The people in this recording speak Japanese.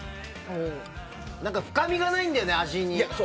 深みがないんだよね、味に。